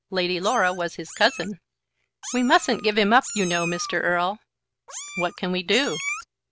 Lady Laura was his cousin. "We mustn't give him up, you know, Mr. Erle." "What can we do?"